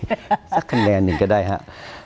สักคะแนนหนึ่งก็ได้ครับ